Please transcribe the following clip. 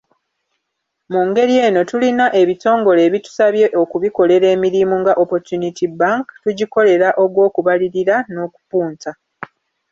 Mu ngeri eno, tulina ebitongole ebitusabye okubikolera emirimu nga Opportunity Bank, tugikolera ogwokubalirira n’okupunta.